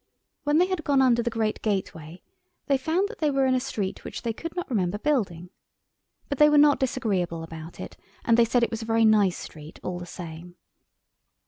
When they had gone under the great gateway they found that they were in a street which they could not remember building. But they were not disagreeable about it, and they said it was a very nice street all the same.